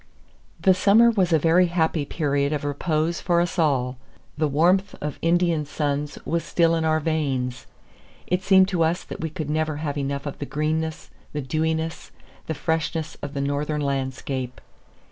The summer was a very happy period of repose for us all. The warmth of Indian suns was still in our veins. It seemed to us that we could never have enough of the greenness, the dewiness, the freshness of the northern landscape.